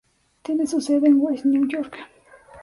Tiene su sede en West New York.